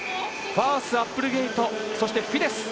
ファース、アップルゲイトそして、フィデス。